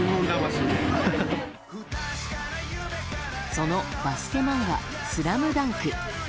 そのバスケ漫画「ＳＬＡＭＤＵＮＫ」。